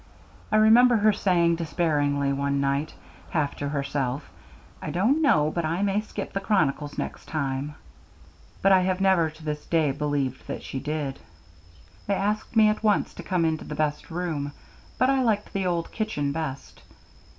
I remember her saying, despairingly, one night, half to herself, "I don' know but I may skip the Chronicles next time," but I have never to this day believed that she did. They asked me at once to come into the best room, but I liked the old kitchen best.